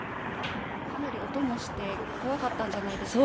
かなり音もして怖かったんじゃないですか？